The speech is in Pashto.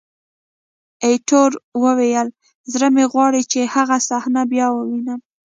ایټور وویل: زړه مې غواړي چې هغه صحنه بیا ووینم.